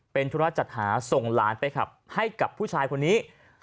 เป็นธุระจัดหาส่งหลานไปขับให้กับผู้ชายคนนี้